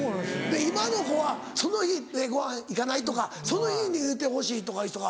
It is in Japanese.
で今の子はその日「ごはん行かない？」とかその日に言うてほしいとかいう人が。